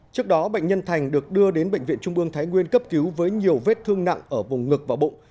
trước đó bệnh nhân thành được đưa đến bệnh viện trung ương thái nguyên cấp cứu với nhiều vết thương nặng ở vùng ngực và bụng